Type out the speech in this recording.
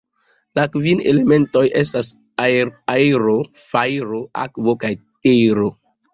La kvin elementoj estas: Aero, Fajro, Akvo kaj Tero.